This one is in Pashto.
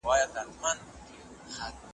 چي مي ښکلي دوستان نه وي چي به زه په نازېدمه .